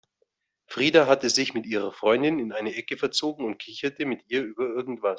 Frida hatte sich mit ihrer Freundin in eine Ecke verzogen und kicherte mit ihr über irgendwas.